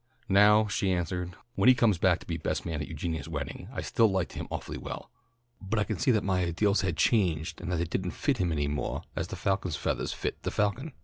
"Now," she answered, "when he came back to be best man at Eugenia's wedding I still liked him awfully well, but I could see that my ideals had changed and that they didn't fit him any moah 'as the falcon's feathahs fit the falcon.'